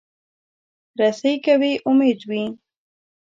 رسۍ که وي، امید وي.